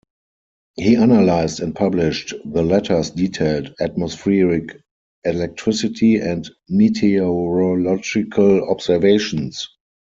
He analysed and published the latter's detailed atmospheric electricity and meteorological observations.